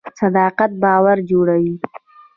صداقت باور جوړوي